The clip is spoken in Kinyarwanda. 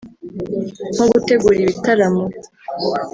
nko gutegura ibitaramo